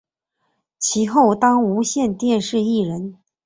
其后当无线电视艺人。